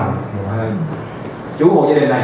chú hội gia đình này tự tháo rỡ các công trình xa đạp